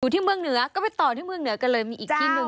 ที่เมืองเหนือก็ไปต่อที่เมืองเหนือกันเลยมีอีกที่หนึ่ง